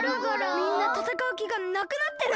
みんなたたかうきがなくなってる！